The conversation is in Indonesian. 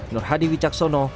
nur hadi wicaksono